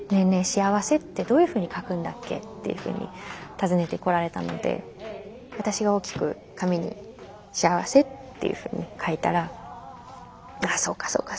しあわせってどういうふうに書くんだっけ」っていうふうに尋ねてこられたので私が大きく紙に「幸せ」っていうふうに書いたら「ああそうかそうか。